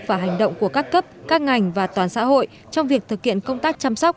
và hành động của các cấp các ngành và toàn xã hội trong việc thực hiện công tác chăm sóc